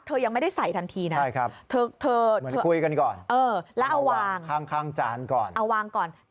เธอยังไม่ได้ใส่ทันทีนะถึงเธอใช่ครับ